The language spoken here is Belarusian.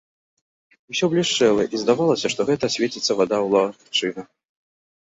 Усё блішчэла, і здавалася, што гэта свеціцца вада ў лагчынах.